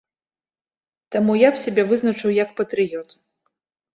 Таму я б сябе вызначыў як патрыёт.